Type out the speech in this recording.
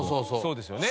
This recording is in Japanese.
そうですよね。